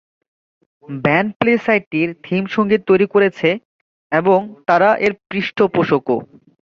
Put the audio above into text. Band play সাইটটির theme সঙ্গীত তৈরি করেছে এবং তারা এর পৃষ্ঠপোষকও।